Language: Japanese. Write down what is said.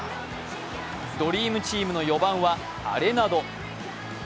ドリームチームの４番はアレナド。